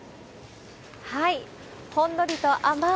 ほんのりと甘ー